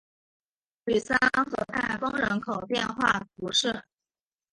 吕桑河畔丰人口变化图示